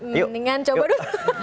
mendingan coba dulu